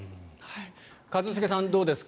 一茂さん、どうですか？